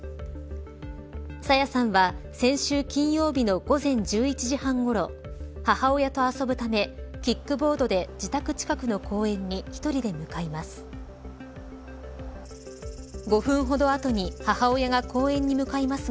朝芽さんは先週金曜日の午前１１時半ごろ母親と遊ぶためキックボードで自宅近くの公園に一人で向かいます。